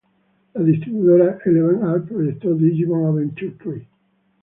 La distribuidora Eleven Arts proyectó "Digimon Adventure tri.